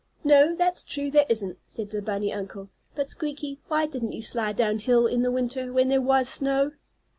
"No, that's true, there isn't," said the bunny uncle. "But, Squeaky, why didn't you slide down hill in the Winter, when there was snow?"